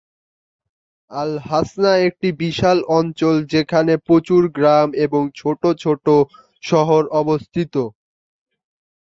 Al Ahsa একটি বিশাল অঞ্চল যেখানে প্রচুর গ্রাম এবং ছোট ছোট শহর অবস্থিত।